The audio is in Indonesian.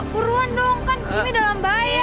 puruan dong kan ini dalam bahaya